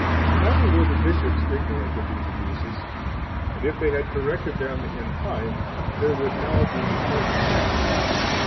14 Neither were the bishops ignorant of these abuses, and if they had corrected them in time, there would now be less dissension.